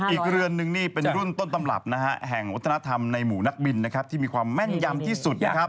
อีกเรือนนึงนี่เป็นรุ่นต้นตำรับนะฮะแห่งวัฒนธรรมในหมู่นักบินนะครับที่มีความแม่นยำที่สุดนะครับ